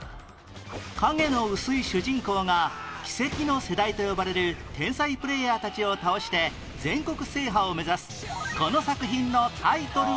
影の薄い主人公が「キセキの世代」と呼ばれる天才プレイヤーたちを倒して全国制覇を目指すこの作品のタイトルは何？